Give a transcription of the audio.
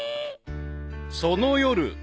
［その夜］